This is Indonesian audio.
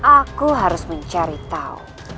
aku harus mencari tahu